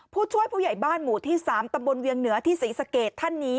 ผู้ช่วยผู้ใหญ่บ้านหมู่ที่๓ตำบลเวียงเหนือที่ศรีสะเกดท่านนี้